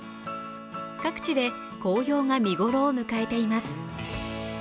各地で紅葉が見頃を迎えています。